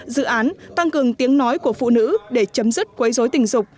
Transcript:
dự án tăng cường tiếng nói của phụ nữ để chấm dứt quấy dối tình dục